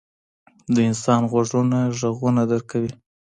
• د انسان غوږونه ږغونه درک کوي.